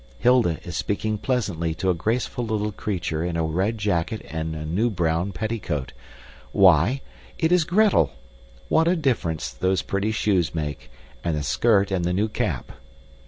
Hilda is speaking pleasantly to a graceful little creature in a red jacket and a new brown petticoat. Why, it is Gretel! What a difference those pretty shoes make, and the skirt and the new cap.